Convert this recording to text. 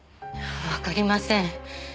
わかりません。